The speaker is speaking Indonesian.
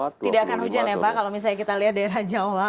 tidak akan hujan ya pak kalau misalnya kita lihat daerah jawa